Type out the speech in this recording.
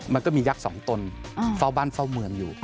มันก็มียักษ์สองตนเฝ้าบ้านเฝ้าเมืองอยู่